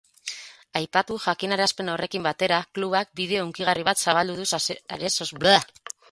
Aipatu jakinarazpen horrekin batera, klubak bideo hunkigarri bat zabaldu du sare sozialetan.